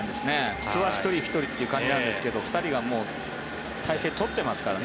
普通は１人、１人という感じなんですが２人が体制を取っていますからね。